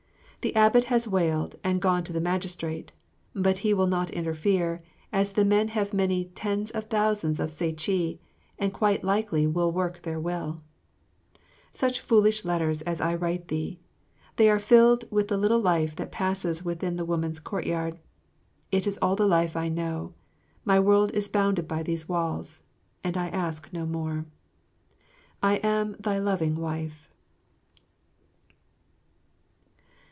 The abbot has wailed and gone to the magistrate; but he will not interfere, as the men have many tens of thousands of sycee and quite likely will work their will. [Illustration: Mylady05.] Such foolish letters as I write thee! They are filled with the little life that passes within the women's courtyard. It is all the life I know. My world is bounded by these walls, and I ask no more. I am thy loving wife.